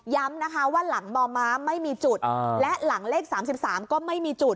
ย้ำนะฮะว่าหลังมอม้าไม่มีจุดอ้าและหลังเลขสามสิบสามก็ไม่มีจุด